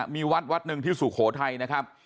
มีวัดนึงที่สุโขทัยนะครับ